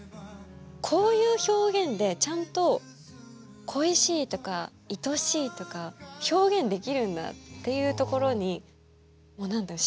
こういう表現でちゃんと恋しいとかいとしいとか表現できるんだっていうところにもう何だろう